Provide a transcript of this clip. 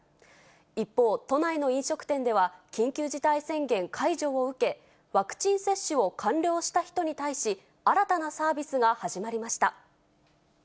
一方、都内の飲食店では、緊急事態宣言解除を受け、ワクチン接種を完了した人に対し、新たなサービスが始まりました。